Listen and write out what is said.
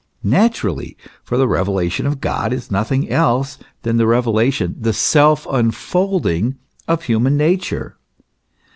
Naturally ; for the revelation of God is nothing else than the revelation, the self unfolding of human nature.